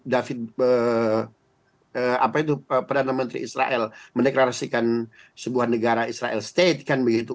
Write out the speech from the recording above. david apa itu perdana menteri israel mendeklarasikan sebuah negara israel state kan begitu